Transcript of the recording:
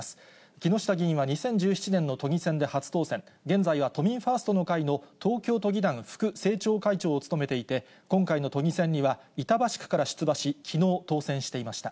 木下議員は２０１７年の都議選で初当選、現在は都民ファーストの会の東京都議団副政調会長を務めていて、今回の都議選には、板橋区から出馬し、きのう当選していました。